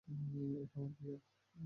এটা আমার প্রিয়।